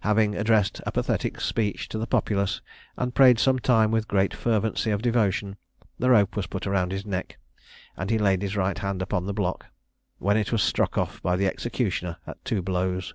Having addressed a pathetic speech to the populace, and prayed some time with great fervency of devotion, the rope was put round his neck, and he laid his right hand upon the block, when it was struck off by the executioner at two blows.